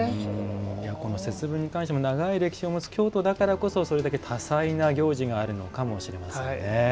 節分に関して長い歴史のある京都だからこそそれだけ多彩な行事があるのかもしれませんね。